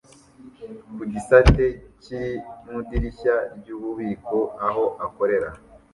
ku gisate kiri mu idirishya ryububiko aho akorera